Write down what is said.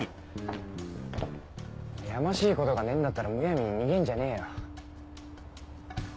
やましいことがねえんだったらむやみに逃げんじゃねえよ。